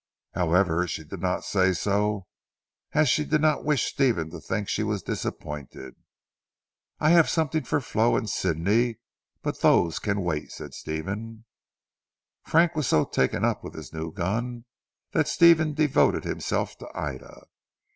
However she did not say so, as she did not wish Stephen to think she was disappointed. "I have something for Flo and Sidney, but those can wait," said Stephen. Frank was so taken up with his new gun, that Stephen devoted himself to Ida.